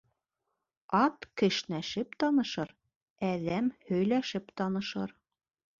Ат кешнәшеп танышыр, әҙәм һөйләшеп танышыр.